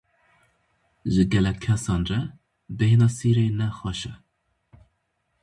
Ji gelek kesan re, bêhna sîrê ne xweş e.